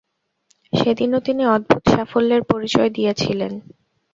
সেদিনও তিনি অদ্ভুত সাফল্যের পরিচয় দিয়াছিলেন।